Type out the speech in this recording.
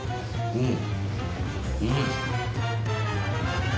うん。